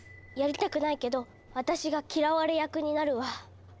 やりたくないけど私が嫌われ役になるわ。